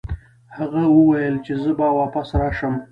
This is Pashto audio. هغه وویل چې زه به واپس راشم.